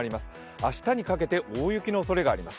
明日にかけて大雪のおそれがあります。